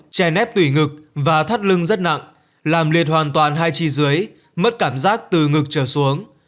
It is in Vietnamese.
chè nép tủy ngực và thắt lưng rất nặng làm liệt hoàn toàn hai chi dưới mất cảm giác từ ngực trở xuống